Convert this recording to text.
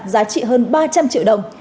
giá trị hơn ba trăm linh triệu đồng